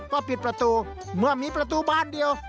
ก็ปิดประตูเมื่อมีประตูบ้านเดียว